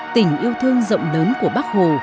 tình yêu thương rộng lớn của bác hồ